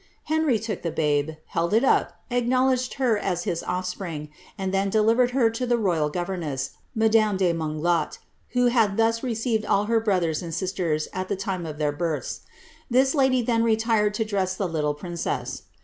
Henry took the babe, held it up, acknowledged her as his o&pring, and then delivered her to the royal governess, madame de Monglat, who had thus received all her brothers and sisters' at the time of their births; this lady then retired to dress the little princess.